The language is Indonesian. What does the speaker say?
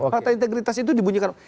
pakta integritas itu dibunyikan